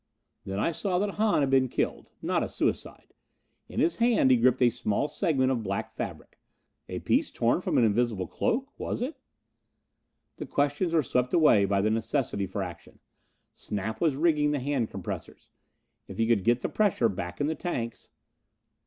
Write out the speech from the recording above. Then I saw that Hahn had been killed! Not a suicide! In his hand he gripped a small segment of black fabric, a piece torn from an invisible cloak? Was it? The questions were swept away by the necessity for action. Snap was rigging the hand compressors. If he could get the pressure back in the tanks....